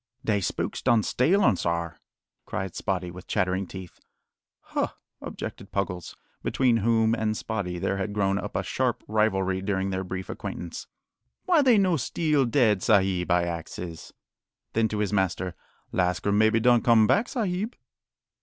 "Dey spooks done steal urn, sar," cried Spottie, with chattering teeth. "Huh," objected Puggles, between whom and Spottie there had grown up a sharp rivalry during their brief acquaintance, "why they no steal dead sahib? I axes." Then to his master: "Lascar maybe done come back, sahib."